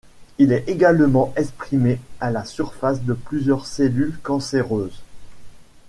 Il est également exprimé à la surface de plusieurs cellules cancéreuses.